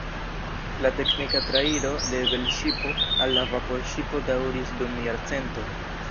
La teknika trairo de velŝipo al vaporŝipo daŭris dum jarcento.